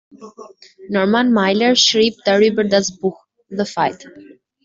Norman Mailer schrieb darüber das Buch "The Fight".